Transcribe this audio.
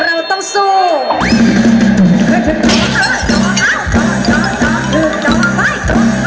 มากร้องทุกคุณ